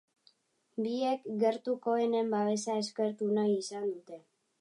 Biek gertukoenen babesa eskertu nahi izan dute.